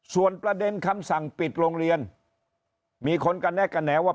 ส่วนประเด็นคำสั่งปิดโรงเรียนมีคนกระแนะกระแหนว่า